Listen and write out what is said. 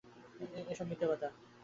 এমন মিথ্যে কথা!